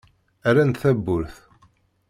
Rran-d tawwurt.